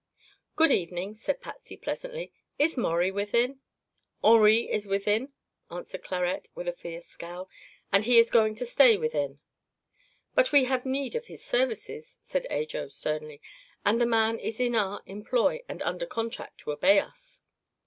"Good evening," said Patsy pleasantly. "Is Maurie within?" "Henri is within," answered Clarette with a fierce scowl, "and he is going to stay within." "But we have need of his services," said Ajo sternly, "and the man is in our employ and under contract to obey us."